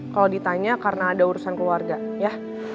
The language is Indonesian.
kalau ditanya karena ada urusan keluarga ya